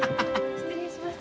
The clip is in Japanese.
失礼します。